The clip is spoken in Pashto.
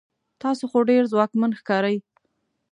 تاسو خو ډیر ځواکمن ښکارئ